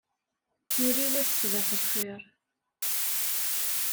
Yuli wass ṣṣbaḥ lxir.